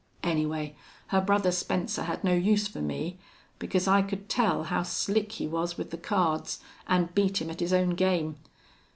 Anyway, her brother Spencer had no use for me, because I could tell how slick he was with the cards an' beat him at his own game.